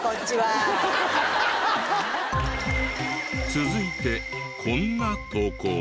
続いてこんな投稿も。